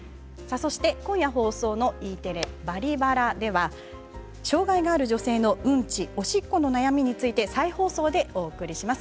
そして今夜放送のＥテレ「バリバラ」では障害がある女性の「ウンチ・オシッコの悩み」について再放送でお送りします。